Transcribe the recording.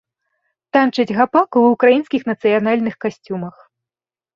Танчаць гапак у украінскіх нацыянальных касцюмах.